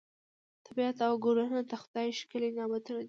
طبیعت او ګلونه د خدای ښکلي نعمتونه دي.